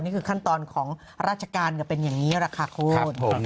นี่คือขั้นตอนของราชการก็เป็นอย่างนี้แหละค่ะคุณ